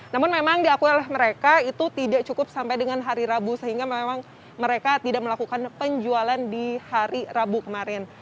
namun memang diakui oleh mereka itu tidak cukup sampai dengan hari rabu sehingga memang mereka tidak melakukan penjualan di hari rabu kemarin